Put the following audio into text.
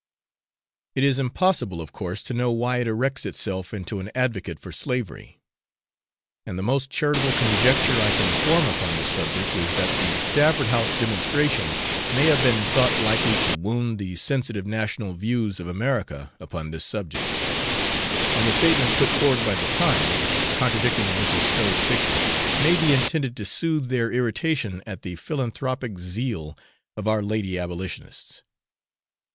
It is impossible of course to know why it erects itself into an advocate for slavery; and the most charitable conjecture I can form upon the subject is, that the Stafford House demonstration may have been thought likely to wound the sensitive national views of America upon this subject; and the statement put forward by the Times, contradicting Mrs. Stowe's picture, may be intended to soothe their irritation at the philanthropic zeal of our lady abolitionists.